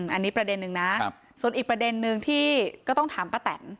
อันนี้ประเด็นนึงนะส่วนอีกประเด็นนึงที่ก็ต้องถามป้าแตน